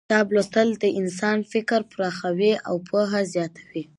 کتاب لوستل د انسان فکر پراخوي او پوهه زیاتوي